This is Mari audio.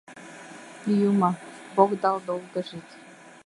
Юмо, бог дал долго жить.